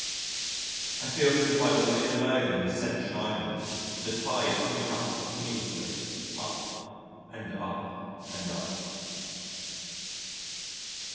I feel as if I were living alone on Ascension Island with the tide coming up continuously, up and up and up.